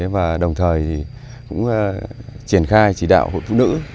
và đồng thời thì cũng triển khai chỉ đạo hội phụ nữ